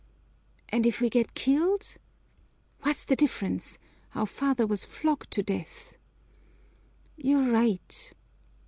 "And if we get killed?" "What's the difference? Our father was flogged to death!" "You're right!"